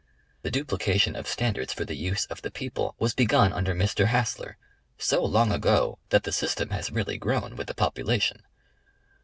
The duplication of standards for the use of the people was begun under Mr. Hassler, so long ago that the system has really grown with the population.